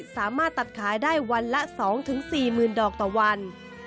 สามารถตัดขายได้วันละ๒๔๐๐๐ดอกต่อวัน